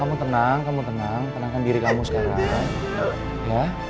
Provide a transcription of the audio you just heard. akan akan diri kamu sekarang ya